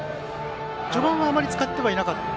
序盤はあまり使ってはいなかった。